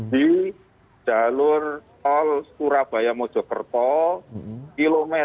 di jalur tol surabaya mojokerto km tujuh ratus dua belas empat ratus